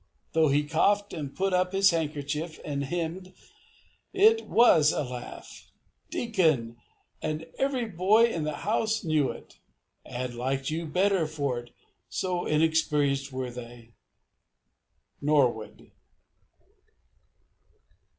Though he coughed and put up his handkerchief and hemmed it was a laugh Deacon! and every boy in the house knew it, and liked you better for it so inexperienced were they. _Norwood.